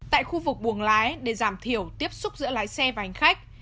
tại khu vực buồng lái để giảm thiểu tiếp xúc giữa lái xe và hành khách